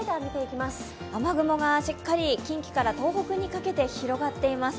雨雲がしっかり近畿から東北にかけて広がっています。